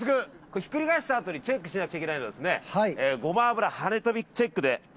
これひっくり返したあとにチェックしなくちゃいけないのはごま油跳ね飛びチェックで。